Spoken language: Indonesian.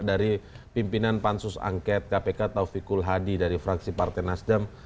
dari pimpinan pansusangkat kpk taufikul hadi dari fraksi partai nasdam